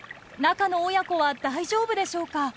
中の親子は大丈夫でしょうか。